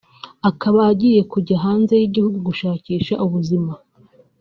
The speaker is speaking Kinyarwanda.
akaba agiye kujya hanze y’igihugu gushakisha ubuzima